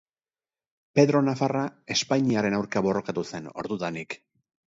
Pedro Nafarra espainiarren aurka borrokatu zen ordudanik.